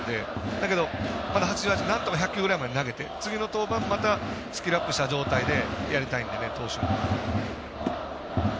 だけどなんとか１００球ぐらいまで投げて次の登板、またスキルアップした状態でやりたいので、投手は。